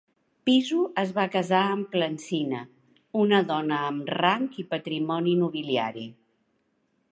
Piso es va casar amb Plancina, una dona amb rang i patrimoni nobiliari.